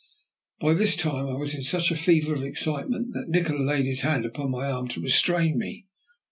By this time I was in such a fever of excitement that Nikola laid his hand upon my arm to restrain me.